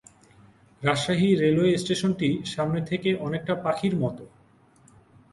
Rajshahi railway স্টেশনটি সামনে থেকে অনেকটা পাখির মতো।